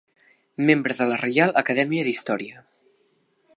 Membre de la Reial Acadèmia d'Història.